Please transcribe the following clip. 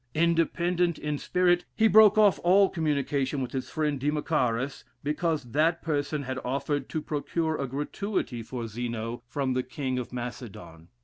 Independent in spirit, he broke off all communication with his friend Democharis, because that person had offered to procure a gratuity for Zeno from the King of Macedon.